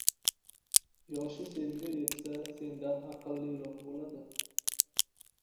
— Yoshi senga yetsa, sendan aqlliroq bo‘ladi.